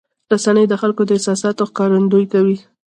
رسنۍ د خلکو د احساساتو ښکارندویي کوي.